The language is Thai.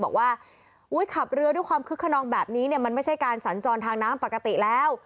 บอกว่าขับเรือด้วยความคึกขนองแบบนี้เนี่ยมันไม่ใช่การสัญจรทางน้ำปกติแล้ว